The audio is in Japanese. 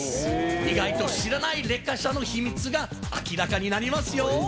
意外と知らないレッカー車の秘密が明らかになりますよ。